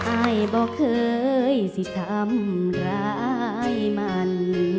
อายบอกเคยสิทำร้ายมัน